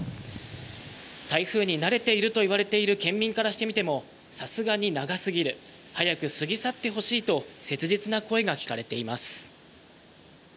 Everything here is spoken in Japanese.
台風に慣れているといわれている県民からしてみてもさすがに長すぎる早く過ぎ去ってほしいと切実な声が聞かれています。